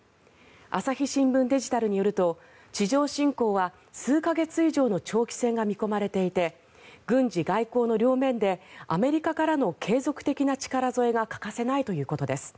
朝日新聞デジタルによると地上侵攻は数か月以上の長期戦が見込まれていて軍事・外交の両面でアメリカからの継続的な力添えが欠かせないということです。